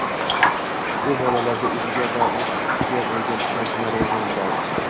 u bolalarda o‘ziga va o‘z kuchiga bo‘lgan ishonchni rivojlantiradi.